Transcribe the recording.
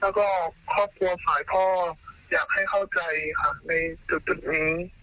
แล้วก็ครอบครัวฝ่ายพ่ออยากให้เข้าใจค่ะในจุดนี้